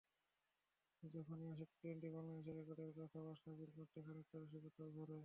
কিন্ত যখনই আসে টি-টোয়েন্টিতে বাংলাদেশের রেকর্ডের কথা, মাশরাফির কণ্ঠে খানিকটা রসিকতাও ঝরে।